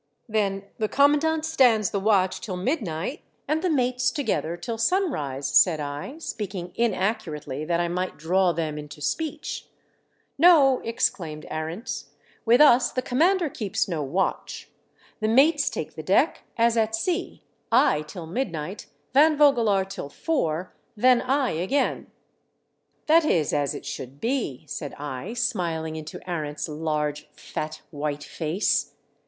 "Then the commandant stands the watch till midnight, and the mates together till sun rise," said I, speaking inaccurately that I might draw them into speech. *' No," exclaimed Arents. " With us the commander keeps no watch. The mates take the deck as at sea, I till midnight. Van Vogelaar till four, then I again." " That is as it should be," said I, smiling into Arents' large, fat white face.